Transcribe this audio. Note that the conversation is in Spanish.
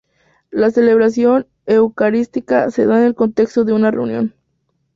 La celebración eucarística se da en el contexto de una reunión.